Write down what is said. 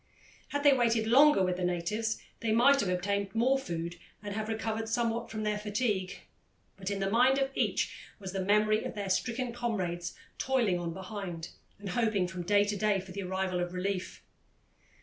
Had they waited longer with the natives, they might have obtained more food and have recovered somewhat from their fatigue, but in the mind of each was the memory of their stricken comrades toiling on behind, and hoping from day to day for the arrival of relief.